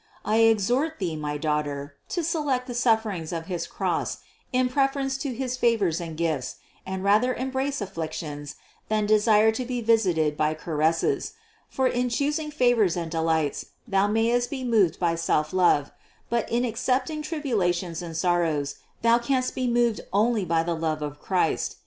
I exhort thee, my daughter, to select the sufferings of his Cross in preference to his favors and gifts and rather embrace afflictions than desire to be visited with caresses; for in choosing favors and delights thou mayest be moved by selflove, but in accepting tribulations and sorrows, thou canst be moved only by the love of Christ.